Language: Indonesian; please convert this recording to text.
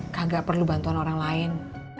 kagak perlu bantuan orang lain